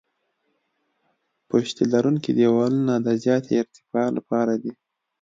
پشتي لرونکي دیوالونه د زیاتې ارتفاع لپاره دي